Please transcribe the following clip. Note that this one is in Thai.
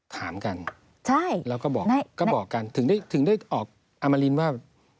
ถามกันแล้วก็บอกกันถึงได้ออกอามรินว่า